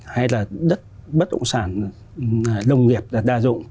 hay là đất bất động sản đồng nghiệp đa dụng